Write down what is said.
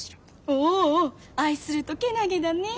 おお愛するとけなげだねえ。